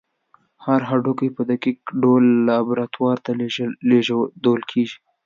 هر هډوکی په دقیق ډول لابراتوار ته لیږدول کېږي.